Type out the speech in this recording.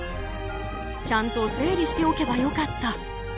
ちゃんと整理しておけばよかった。